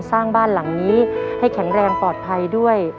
สร้างบ้านหลังนี้ให้แข็งแรงปลอดภัยด้วย